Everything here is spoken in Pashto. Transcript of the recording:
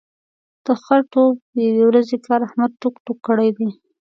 د خټو یوې ورځې کار احمد ټوک ټوک کړی دی.